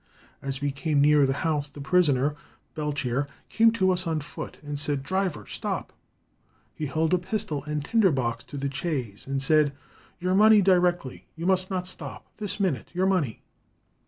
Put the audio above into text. As we came near the house the prisoner (Belchier) came to us on foot and said, 'Driver, stop.' He held a pistol and tinder box to the chaise, and said: 'Your money directly, you must not stop; this minute, your money.'